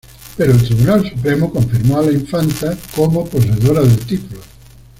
Pero el Tribunal Supremo confirmó a la infanta como poseedora del título.